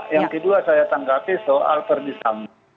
yang kedua saya tanggapi soal ferdi sambu